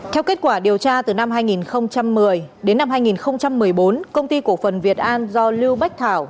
theo kết quả điều tra từ năm hai nghìn một mươi đến năm hai nghìn một mươi bốn công ty cổ phần việt an do lưu bách thảo